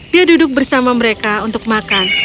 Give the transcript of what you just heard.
dia duduk bersama mereka untuk makan